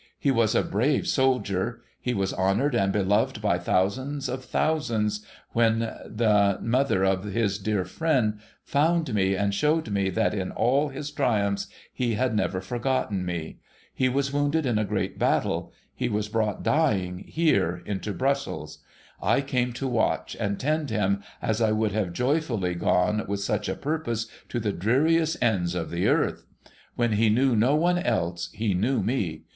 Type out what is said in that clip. He was a brave soldier. He was honoured and beloved by thousands of thousands, when the mother of his dear friend found me, and showed me that in all his triumphs he had never forgotten me. He was wounded in a great battle. He was brought, dying, here, into Brussels. I came to watch and tend him, as I would have joyfully gone, with such a purpose, to the dreariest ends of the earth, ^^'hen he knew no one else, he knew me.